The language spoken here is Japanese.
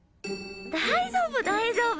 大丈夫大丈夫！